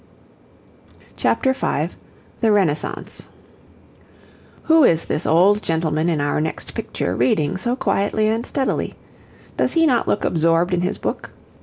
CHAPTER V THE RENAISSANCE Who is this old gentleman in our next picture reading so quietly and steadily? Does he not look absorbed in his book?